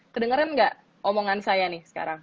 kedengeran nggak omongan saya nih sekarang